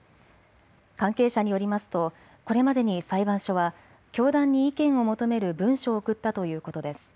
関係者によりますとこれまでに裁判所は教団に意見を求める文書を送ったということです。